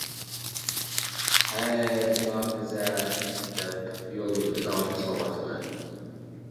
ھەي بۇلارنىزە دەپ يولۇمنى داۋام قىلىۋاتىمەن.